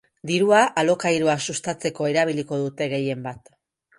Dirua alokairua sustatzeko erabiliko dute gehienbat.